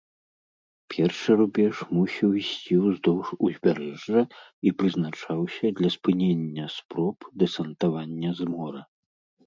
Першы рубеж мусіў ісці ўздоўж узбярэжжа і прызначаўся для спынення спроб дэсантавання з мора.